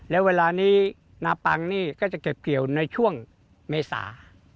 แล้วเวลานี้นาปังนี่ก็จะเก็บเกี่ยวในช่วงเมษา